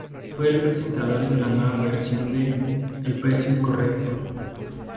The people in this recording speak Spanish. Fue el presentador de la nueva versión de "El precio es correcto".